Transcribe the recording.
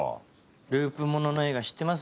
ループものの映画知ってます？